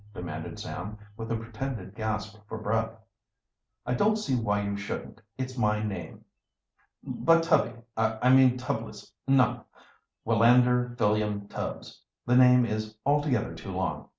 demanded Sam, with a pretended gasp for breath. "I don't see why you shouldn't. It's my name." "But Tubby I mean Tubblets no, Willander Philliam Tubbs the name is altogether too long.